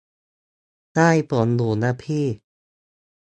ได้ผลอยู่นะพี่